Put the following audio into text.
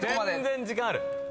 全然時間ある。